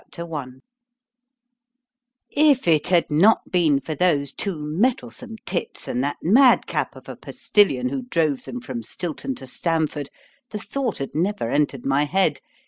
I IF it had not been for those two mettlesome tits, and that madcap of a postillion who drove them from Stilton to Stamford, the thought had never entered my head.